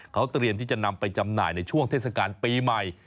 เขาเตรียมที่จะนำไปจำหน่ายในช่วงเทศกาลปีใหม่